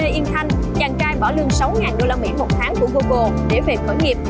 tiền thanh chàng trai bỏ lương sáu usd một tháng của google để về khởi nghiệp